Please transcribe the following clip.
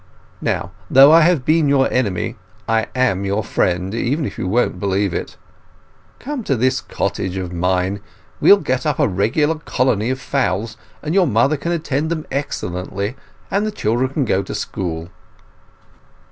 Now, though I have been your enemy, I am your friend, even if you won't believe it. Come to this cottage of mine. We'll get up a regular colony of fowls, and your mother can attend to them excellently; and the children can go to school."